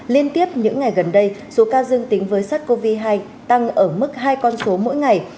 liên tiếp những ngày gần đây số ca dương tính với sars cov hai tăng ở mức hai con số mỗi ngày